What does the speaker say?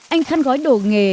anh khăn gói đồ nghề